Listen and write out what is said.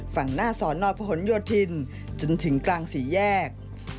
ฝั่งหน้าสนพยศิโยธินทร์จนถึงกลางสี่แยก